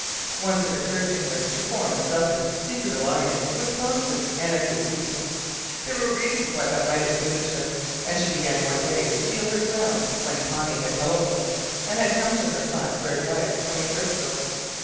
Once it occurred to her to form a separate, secret alliance with Constance Annesley Seton. There were reasons why that might have suited her, and she began one day to feel her ground when Connie had telephoned, and had come to her flat for advice from the crystal.